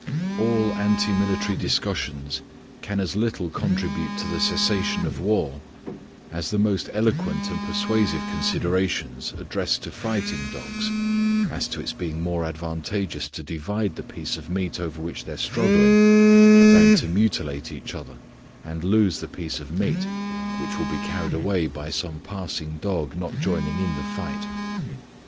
All anti military discussions can as little contribute to the cessation of war as the most eloquent and persuasive considerations addressed to fighting dogs as to its being more advantageous to divide the piece of meat over which they are struggling than to mutilate each other and lose the piece of meat, which will be carried away by some passing dog not joining in the fight.